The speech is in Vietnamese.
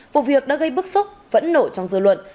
vụ việc đã gây bức xúc vẫn nổ trong dự luận